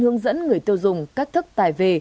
hướng dẫn người tiêu dùng các thức tài về